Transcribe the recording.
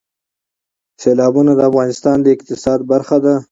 سیلابونه د افغانستان د اقتصاد برخه ده.